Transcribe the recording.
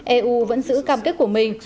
eu vẫn giữ cam kết của mình